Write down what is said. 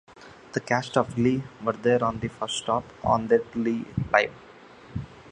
The cast of "Glee" were there on the first stop on their Glee Live!